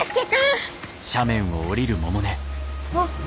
あっ。